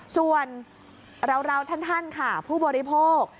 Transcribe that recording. ส่วนเราท่านค่ะผู้บริโภค